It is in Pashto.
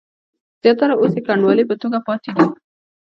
زیاتره اوس یې کنډوالې په توګه پاتې دي.